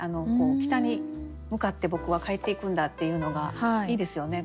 北に向かって僕は帰っていくんだっていうのがいいですよね